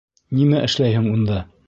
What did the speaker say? Нимә эшләйһең унда?